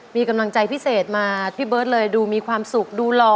มีกำลังใจพิเศษมาพี่เบิร์ตเลยดูมีความสุขดูหล่อ